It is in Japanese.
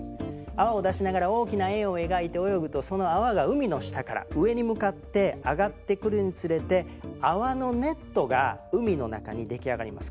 泡を出しながら大きな円を描いて泳ぐとその泡が海の下から上に向かって上がってくるにつれて泡のネットが海の中に出来上がります。